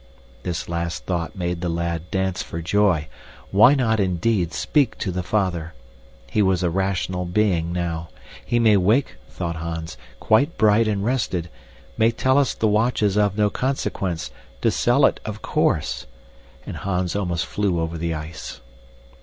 This last thought made the lad dance for joy. Why not, indeed, speak to the father? He was a rational being now. He may wake, thought Hans, quite bright and rested may tell us the watch is of no consequence, to sell it of course! And Hans almost flew over the ice.